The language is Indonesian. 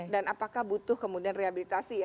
dan apakah butuh kemudian rehabilitasi ya